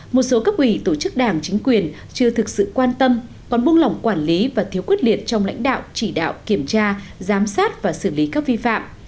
một số cấp ủy tổ chức đảng chính quyền chưa thực sự quan tâm còn buông lỏng quản lý và thiếu quyết liệt trong lãnh đạo chỉ đạo kiểm tra giám sát và xử lý các vi phạm